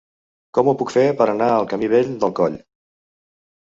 Com ho puc fer per anar al camí Vell del Coll?